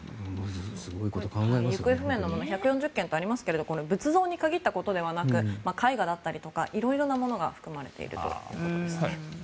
行方不明なのが１４０件とありますがこれは仏像に限ったものではなく絵画だったりとか色々なものが含まれているということです。